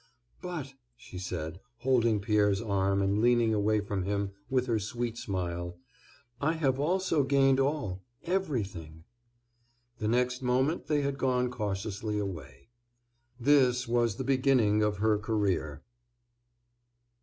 "But," she said, holding Pierre's arm and leaning away from him with her sweet smile, "I have also gained all—everything." The next moment they had gone cautiously away. This was the beginning of her career.